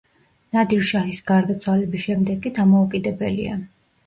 ნადირ შაჰის გარდაცვალების შემდეგ კი დამოუკიდებელია.